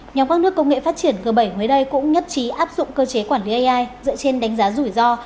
nhóm các nước công nghệ phát triển g bảy mới đây cũng nhất trí áp dụng cơ chế quản lý ai dựa trên đánh giá rủi ro